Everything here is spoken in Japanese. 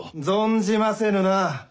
存じませぬな。